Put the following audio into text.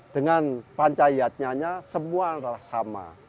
dengan pancaiatnya semua adalah sama